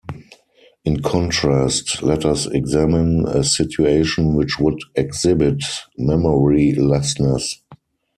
In contrast, let us examine a situation which would exhibit memorylessness.